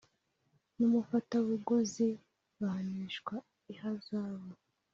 N umufatabuguzi bahanishwa ihazabu